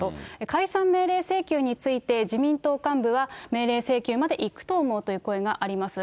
解散命令請求について、自民党幹部は命令請求までいくと思うという声があります。